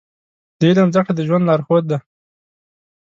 د علم زده کړه د ژوند لارښود دی.